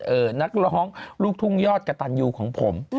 นักร้องลูกทุ่งยอดกระตันยูของผม